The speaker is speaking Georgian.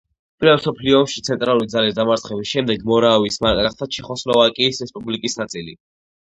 პირველ მსოფლიო ომში ცენტრალური ძალის დამარცხების შემდეგ მორავიის მარკა გახდა ჩეხოსლოვაკიის რესპუბლიკის ნაწილი.